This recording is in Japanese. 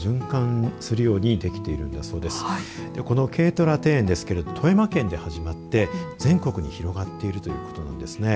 この軽トラ庭園ですが富山県で始まって全国に広がっているということです。